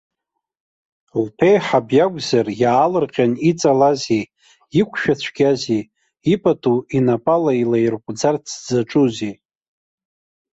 Лԥеиҳаб иакәзар, иаалырҟьан иҵалазеи, иқәшәацәгьазеи, ипату инапала илаирҟәӡарц дзаҿузеи?